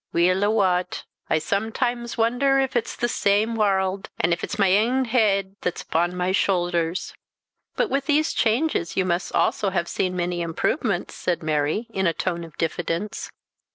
weel a wat, I sometimes wonder if it's the same warld, an' if it's my ain heed that's upon my shoothers." "But with these changes you must also have seen many improvements?" said Mary, in a tone of diffidence.